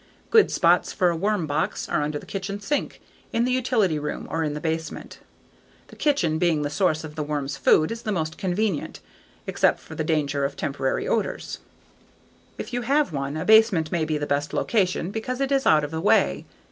Good spots for a worm box are under the kitchen sink, in the utility room, or in the basement. The kitchen, being the source of the worm's food, is the most convenient, except for the danger of temporary odors. If you have one, a basement may be the best location because it is out of the way.